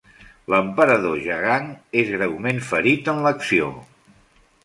L'emperador Jagang és greument ferit en l'acció.